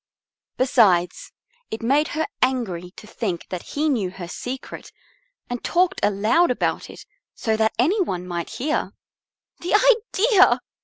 Besides, it made her angry to think that he knew her secret and talked aloud about it so that any one might hear. "The idea!"